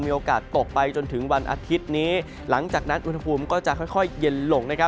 โอกาสตกไปจนถึงวันอาทิตย์นี้หลังจากนั้นอุณหภูมิก็จะค่อยเย็นลงนะครับ